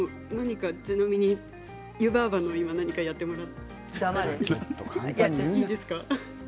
湯婆婆の何かやってもらってもいいですか。